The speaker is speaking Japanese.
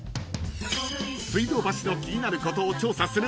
［水道橋の気になることを調査する「なり調」］